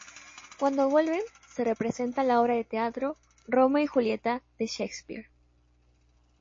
Cuando vuelven se representa la obra de teatro "Romeo y Julieta" de Shakespeare.